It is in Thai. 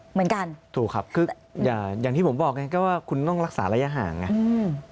เหมือนกันถูกครับคืออย่างอย่างที่ผมบอกไงก็ว่าคุณต้องรักษาระยะห่างไงอืม